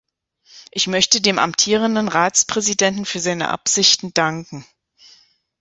Ich möchte dem amtierenden Ratspräsidenten für seine Absichten danken.